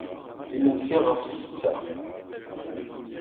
Imensi ɣef ssetta.